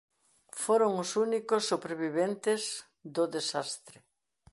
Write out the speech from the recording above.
Foron os únicos superviventes do desastre.